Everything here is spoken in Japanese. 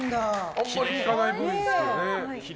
あんまり聞かない部位ですね。